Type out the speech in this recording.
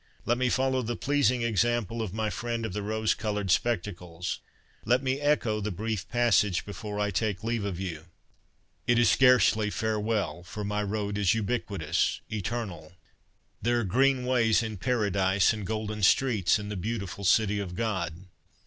Let me follow the pleasing example of my friend of the rose coloured spectacles. Let me echo the brief passage before I take leave of you :' It is scarcely farewell, for my road is ubiquitous, eternal ; there are green ways in Paradise and golden streets in the beautiful City of God.